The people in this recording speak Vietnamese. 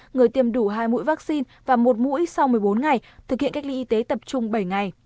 người tiêm đủ hai mũi vaccine và một mũi sau một mươi bốn ngày thực hiện cách ly y tế tập trung bảy ngày